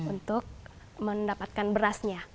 untuk mendapatkan berasnya